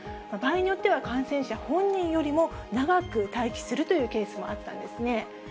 場合によっては感染者本人よりも、長く待機するというケースもあったんですね。